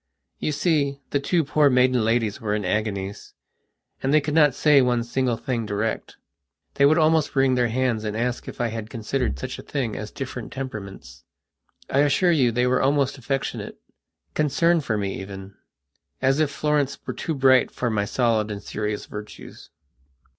You see, the two poor maiden ladies were in agoniesand they could not say one single thing direct. They would almost wring their hands and ask if I had considered such a thing as different temperaments. I assure you they were almost affectionate, concerned for me even, as if Florence were too bright for my solid and serious virtues.